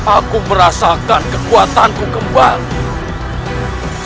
aku merasakan kekuatanku kembali